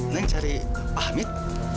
neng cari pak hamid